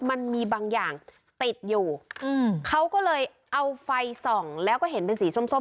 มันมีบางอย่างติดอยู่อืมเขาก็เลยเอาไฟส่องแล้วก็เห็นเป็นสีส้มส้ม